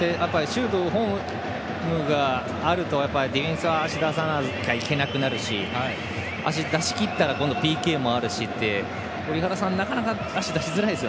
シュートのフォームがあるとディフェンスは足を出さなきゃいけなくなるし足を出し切ったら今度はＰＫもあるしで。